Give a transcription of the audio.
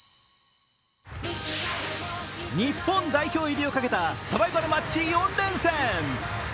日本代表入りをかけたサバイバルマッチ４連戦。